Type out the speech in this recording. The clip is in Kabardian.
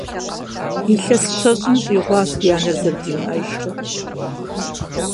Илъэс щэщӏым щӏигъуащ ди анэр зэрыдимыӏэжрэ.